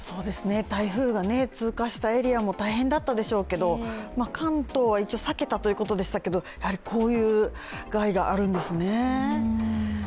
台風が通過したエリアも大変だったでしょうけど、関東は一応避けたということでしたけど、こういう害があるんですね。